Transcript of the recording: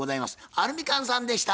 アルミカンさんでした。